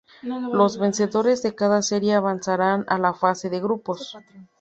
Los vencedores de cada serie avanzarán a la fase de grupos.